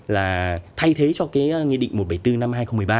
là thay thế cho cái nghị định một trăm bảy mươi bốn năm hai nghìn một mươi ba